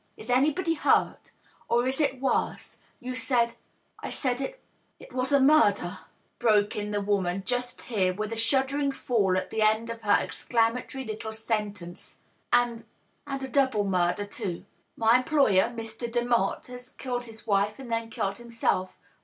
Is anybody hurt? Or is it worse? You said ^^" I said it — it was murder/' broke in the woman, just here, with a shuddering fall at the end of her exclamatory little sentence. " And — and a double murder, too. My employer, Mr. Demotte, has killed his wife, and then killed himself.